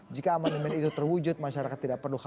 jika amandaman itu terwujud masyarakat tidak perlu hampir